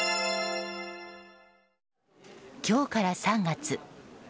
今日から３月。